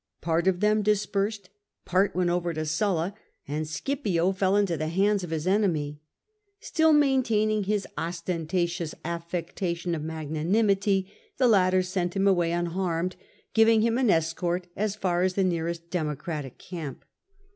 Part of them dispersed, part went over to Sulla, and Scipio fell into the hands of his enemy. Still maintaining his ostentatious affectation of magnanimity, the latter sent him away unharmed, giving him an escort as far as the nearest Democratic camp.